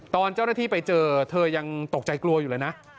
ตอนเจ้าหน้าที่ไปเจอเธอยังตกใจกลัวอยู่เลยนะ